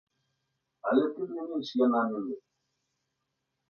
Але тым не менш яна не нуль.